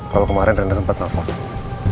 kalau kemarin randa sempat nelfon